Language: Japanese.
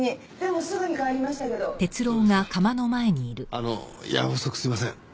あの夜分遅くすみません。